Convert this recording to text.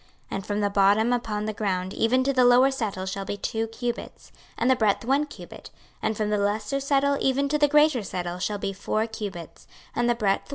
26:043:014 And from the bottom upon the ground even to the lower settle shall be two cubits, and the breadth one cubit; and from the lesser settle even to the greater settle shall be four cubits, and the breadth one cubit.